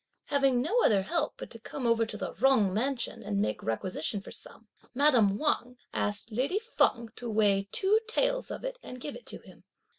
Having no other help but to come over to the Jung mansion, and make requisition for some, Madame Wang asked lady Feng to weigh two taels of it and give it to him.